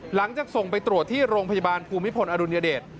หลังจากส่งไปตรวจที่โรงพยาบาลภูมิพลอดุลยเดช